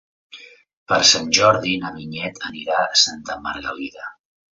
Per Sant Jordi na Vinyet anirà a Santa Margalida.